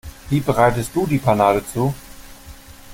Wie bereitest du die Panade zu?